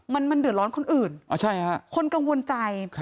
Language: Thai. มันเดือดร้อนคนอื่นคนกังวลใจ